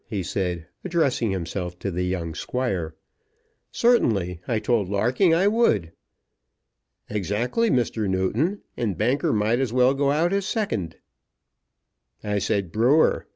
he said, addressing himself to the young Squire. "Certainly, I told Larking I would." "Exactly, Mr. Newton. And Banker might as well go out as second." "I said Brewer.